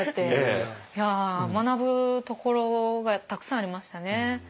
いや学ぶところがたくさんありましたね。